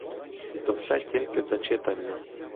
І то все тільки за читання.